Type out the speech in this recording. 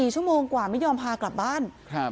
๔ชั่วโมงกว่าไม่ยอมพากลับบ้าน